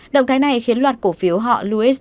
động thái này khiến loạt cổ phiếu họ lewis